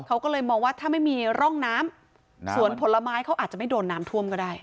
เขาก็เลยมองว่าถ้าไม่มีร่องน้ำสวนผลไม้เขาอาจจะไม่โดนน้ำท่วมก็ได้